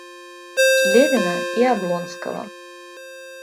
Левина и Облонского.